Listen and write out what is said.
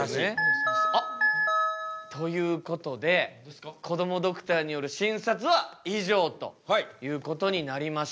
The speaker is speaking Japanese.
あっ！ということでこどもドクターによる診察は以上ということになりました。